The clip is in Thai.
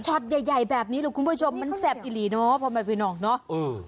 ช็อตใหญ่แบบนี้หรือคุณผู้ชมมันแสบอิหรี่เนาะพอมาเป็นออกเนาะ